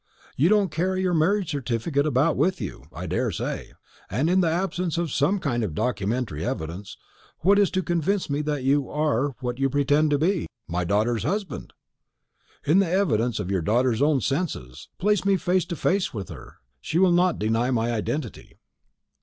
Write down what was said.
You don't carry your marriage certificate about with you, I daresay; and in the absence of some kind of documentary evidence, what is to convince me that you are what you pretend to be my daughter's husband?" "The evidence of your daughter's own senses. Place me face to face with her; she will not deny my identity."